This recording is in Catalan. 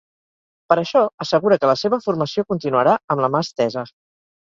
Per això, assegura que la seva formació continuarà amb la mà estesa.